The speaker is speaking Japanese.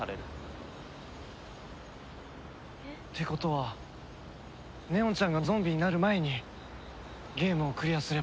えっ？ってことは祢音ちゃんがゾンビになる前にゲームをクリアすれば。